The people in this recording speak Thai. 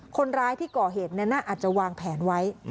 คนร้ายที่ก่อเหตุนั้นอาจจะวางแผนไว้